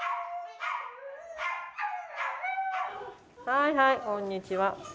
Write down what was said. はいはいこんにちは。